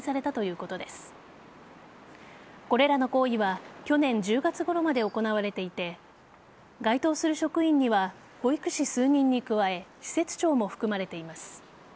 これらの行為は去年１０月ごろまで行われていて該当する職員には保育士数人に加え施設長も含まれています。